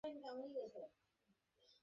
এটাও তো একটা সুন্দর জায়গা ছিলো, তাই না?